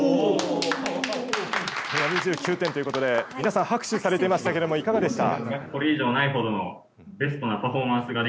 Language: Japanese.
２９点ということで皆さん拍手されてましたけどもいかがでした？